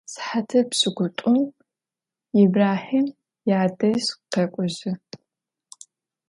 Сыхьатыр пшӏыкӏутӏум Ибрахьим ядэжь къэкӏожьы.